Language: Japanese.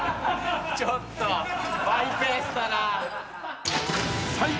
ちょっとマイペースだな。